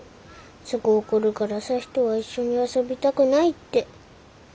すぐ怒るから朝陽とは一緒に遊びたくないって。